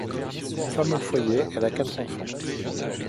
Femme au foyer, elle a quatre enfants.